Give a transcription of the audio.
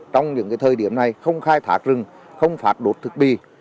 trong những thời điểm này không khai thác rừng không phạt đột thức bi